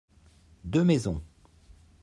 deux maisons.